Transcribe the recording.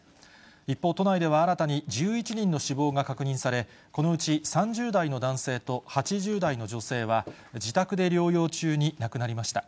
一方、都内では新たに１１人の死亡が確認され、このうち３０代の男性と８０代の女性は、自宅で療養中に亡くなりました。